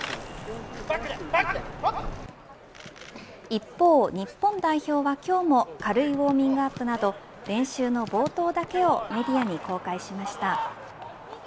一方、日本代表は今日も軽いウォーミングアップなど練習の冒頭だけをメディアに公開しました。